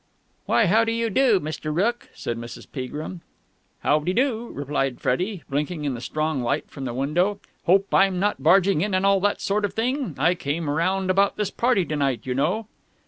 "Why, how do you do, Mr. Rooke!" said Mrs. Peagrim. "How de do," replied Freddie, blinking in the strong light from the window. "Hope I'm not barging in and all that sort of thing? I came round about this party to night, you know."